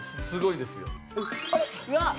うわっ！